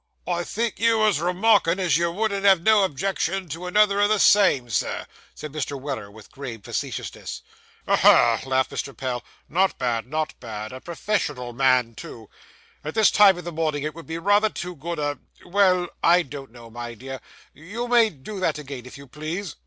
'I think you was remarkin' as you wouldn't have no objection to another o' the same, Sir,' said Mr. Weller, with grave facetiousness. 'Ha, ha!' laughed Mr. Pell. 'Not bad, not bad. A professional man, too! At this time of the morning, it would be rather too good a Well, I don't know, my dear you may do that again, if you please.